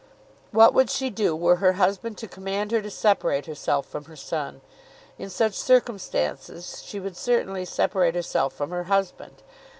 What would she do were her husband to command her to separate herself from her son? In such circumstances she would certainly separate herself from her husband.